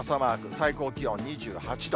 最高気温２８度。